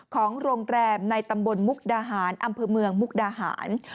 ของโรงแรมในตำบลมุกดาหารอำเภอเมืองมุกดาหาร